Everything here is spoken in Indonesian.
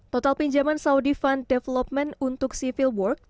total pinjaman saudi fund development untuk simulasi